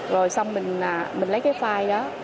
rồi xong mình lấy cái file đó